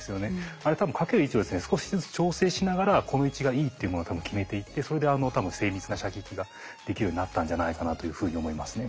あれ多分掛ける位置をですね少しずつ調整しながらこの位置がいいっていうものを多分決めていってそれであの精密な射撃ができるようになったんじゃないかなというふうに思いますね。